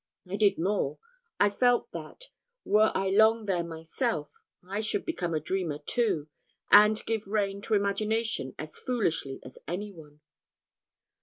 I did more: I felt that, were I long there myself, I should become a dreamer too, and give rein to imagination as foolishly as any one.